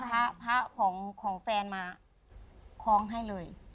คุณลั้งเอาพระของแฟนมาคล้องให้เลย